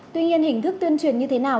tuy nhiên hình thức tuyên truyền như thế nào